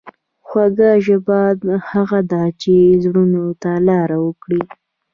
خوږه ژبه هغه ده چې زړونو ته لار وکړي.